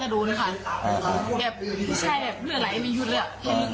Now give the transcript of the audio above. หลายเนื่องยุทธ์อ่ะเยอะนึกมาก